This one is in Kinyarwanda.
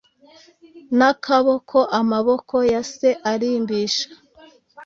Nakaboko amaboko ya se arimbisha